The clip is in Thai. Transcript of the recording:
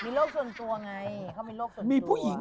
มีโลหะส่วนตัวไง